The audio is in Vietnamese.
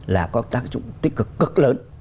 là có tác dụng tích cực cực lớn